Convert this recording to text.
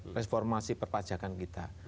reformasi perpajakan kita